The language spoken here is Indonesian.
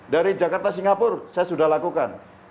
dari jakarta singapura saya sudah lakukan